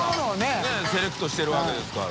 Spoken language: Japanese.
佑Аセレクトしてるわけですから。